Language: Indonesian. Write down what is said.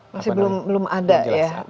masih belum ada ya